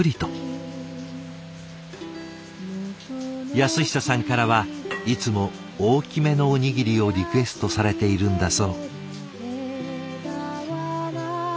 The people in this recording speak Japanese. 安久さんからはいつも大きめのおにぎりをリクエストされているんだそう。